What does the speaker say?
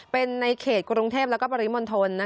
เป็นในเขตกรุงเทพและปริมณฑล